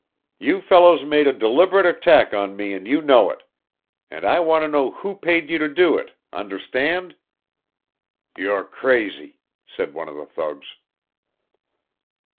"You fellows made a deliberate attack on me and you know it. And I want to know who paid you to do it understand?" "You're crazy!" said one of the thugs.